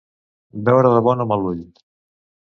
Veure de bon o mal ull.